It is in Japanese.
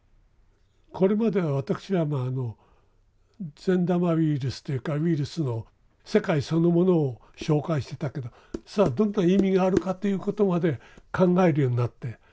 これまでは私はまああの善玉ウイルスというかウイルスの世界そのものを紹介してたけどどんな意味があるかということまで考えるようになって。